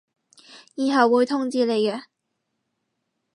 以後會通知你嘅